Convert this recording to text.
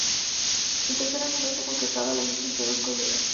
En el tercer animal se concretaba la lucha entre dos colleras.